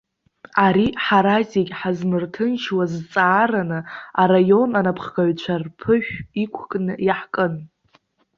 Ари ҳара зегьы ҳазмырҭынчуаз зҵаараны, араион анапхгаҩцәа рԥышә иқәкны иаҳкын.